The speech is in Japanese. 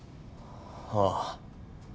ああ。